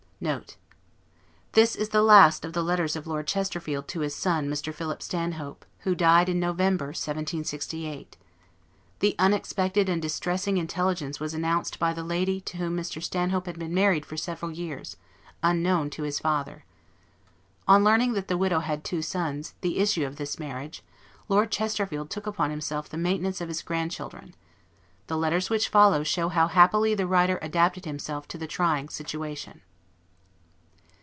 NOTE. This is the last of the letters of Lord Chesterfield to his son, Mr. Philip Stanhope, who died in November, 1768. The unexpected and distressing intelligence was announced by the lady to whom Mr. Stanhope had been married for several years, unknown to his father. On learning that the widow had two sons, the issue of this marriage, Lord Chesterfield took upon himself the maintenance of his grandchildren. The letters which follow show how happily the writer adapted himself to the trying situation.